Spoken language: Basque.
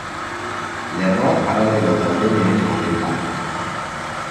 Lerroak paralelo daudenean ematen da.